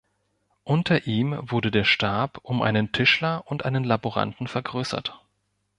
Unter ihm wurde der Stab um einen Tischler und einen Laboranten vergrößert.